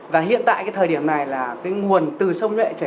và hiện tại cái thời điểm này là cái nguồn từ sông nhuệ